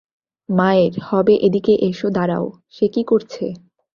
মায়ের, হবে - এদিকে এসো -দাঁড়াও, সে কি করছে?